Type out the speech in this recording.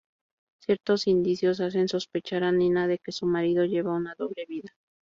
Ciertos indicios hacen sospechar a Nina de que su marido lleva una doble vida.